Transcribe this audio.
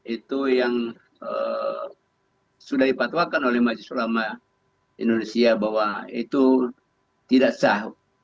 itu yang sudah dipatuakan oleh majelis ulama indonesia bahwa itu tidak sah